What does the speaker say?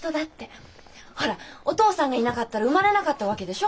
ほらお父さんがいなかったら生まれなかったわけでしょ？